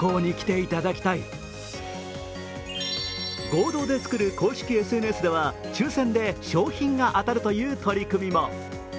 合同で作る公式ＳＮＳでは抽選で賞品が当たるという取り組みも。